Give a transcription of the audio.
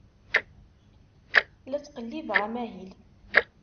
La ttqellibeɣ amahil.